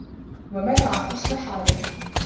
وَمَنَعَ حُسْنَ حَالِهِ